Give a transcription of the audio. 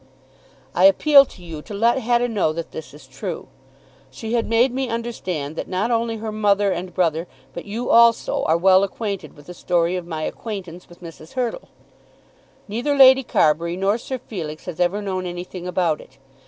I appeal to you to let Hetta know that this is true. She had made me understand that not only her mother and brother, but you also, are well acquainted with the story of my acquaintance with Mrs. Hurtle. Neither Lady Carbury nor Sir Felix has ever known anything about it.